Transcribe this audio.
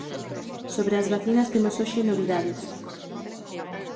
Sobre as vacinas temos hoxe novidades.